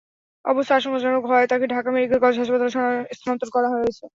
অবস্থা আশঙ্কাজনক হওয়ায় তাঁকে ঢাকা মেডিকেল কলেজ হাসপাতালে স্থানান্তর করা হয়েছে।